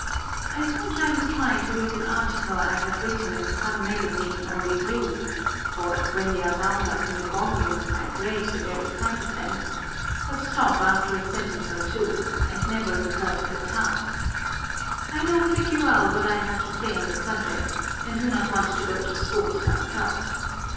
I sometimes try to read an article I have written in some magazine or review â€" (for when they are bound up in a volume, I dread the very sight of them) â€" but stop after a sentence or two, and never recur to the task. I know pretty well what I have to say on the subject, and do not want to go to school to myself.